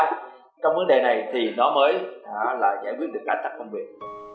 trong vấn đề này thì nó mới giải quyết được các công việc